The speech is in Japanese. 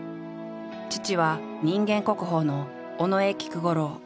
父は人間国宝の尾上菊五郎。